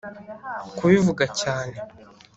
kubivuga cyane.